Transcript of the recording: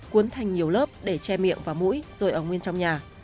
cuốn thành nhiều lớp để che miệng và mũi rồi ống nguyên trong nhà